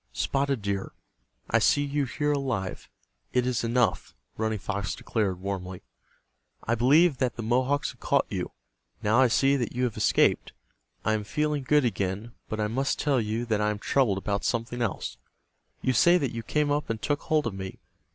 "Spotted Deer, I see you here alive—it is enough," Running Fox declared, warmly. "I believed that the Mohawks had caught you. Now I see that you have escaped. I am feeling good again. But I must tell you that I am troubled about something else. You say that you came up and took hold of me.